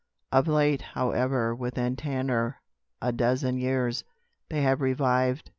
"Of late, however, within ten or a dozen years, they have revived.